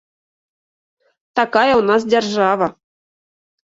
Такая ў нас дзяржава.